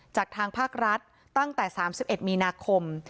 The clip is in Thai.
จากทางภาครัฐตั้งแต่สามสิบเอ็ดมีนาคม